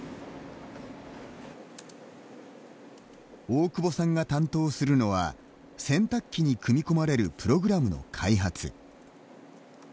大久保さんが担当するのは洗濯機に組み込まれるプログラムの開発。